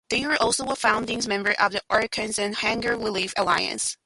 They are also a founding member of the Arkansas Hunger Relief Alliance.